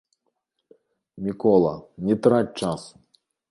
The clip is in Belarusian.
Мікола, не траць часу!